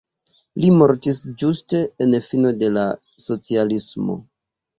Li mortis ĝuste en fino de la socialismo.